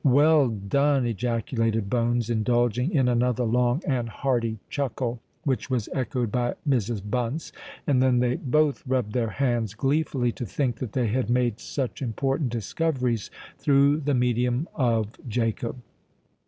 "Well done!" ejaculated Bones, indulging in another long and hearty chuckle, which was echoed by Mrs. Bunce; and then they both rubbed their hands gleefully to think that they had made such important discoveries through the medium of Jacob.